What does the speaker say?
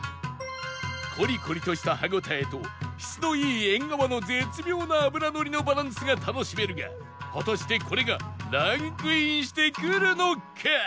コリコリとした歯応えと質のいいえんがわの絶妙な脂のりのバランスが楽しめるが果たしてこれがランクインしてくるのか？